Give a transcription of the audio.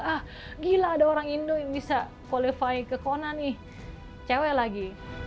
ah gila ada orang indo yang bisa qualify ke kona nih cewek lagi